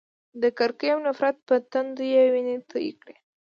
د کرکې او نفرت په تندو یې وینې تویې کړې.